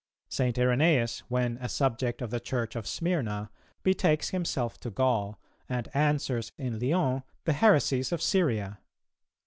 St. Irenæus, when a subject of the Church of Smyrna, betakes himself to Gaul, and answers in Lyons the heresies of Syria.